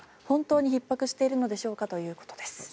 本当にひっ迫しているのでしょうか？ということです。